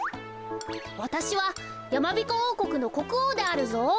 わたしはやまびこおうこくのこくおうであるぞ。